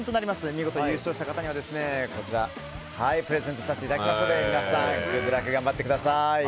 見事、優勝した方にはこちらをプレゼントさせていただきますので皆さんグッドラック頑張ってください。